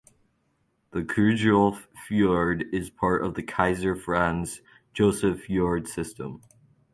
The Kjerulf Fjord is part of the Kaiser Franz Joseph Fjord system.